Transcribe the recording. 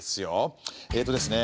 えっとですね